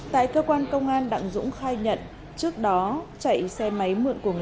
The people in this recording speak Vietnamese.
tại cơ quan công an đặng dũng khai nhận trước đó chạy xe máy mượn